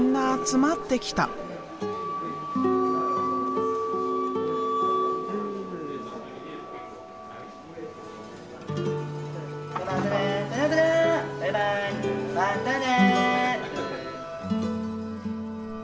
まったね。